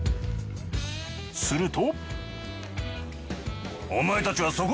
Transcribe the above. すると。